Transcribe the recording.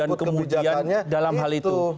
dan kemudian dalam hal itu